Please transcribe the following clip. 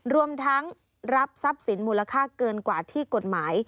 รวมทั้งรับทรัพย์สินมูลค่าเกินกว่าที่กฎหมาย